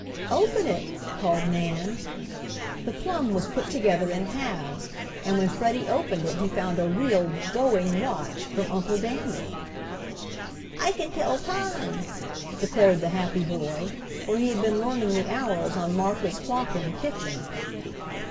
"Open it!" called Nan. The plum was put together in halves, and when Freddie opened it he found a real "going" watch from Uncle Daniel. "I can tell time!" declared the happy boy, for he had been learning the hours on Martha's clock in the kitchen.